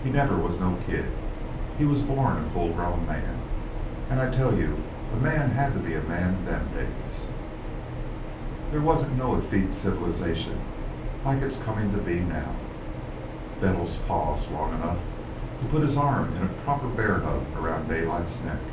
He never was no kid. He was born a full grown man. An' I tell you a man had to be a man in them days. This wa'n't no effete civilization like it's come to be now." Bettles paused long enough to put his arm in a proper bear hug around Daylight's neck.